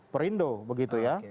perindo begitu ya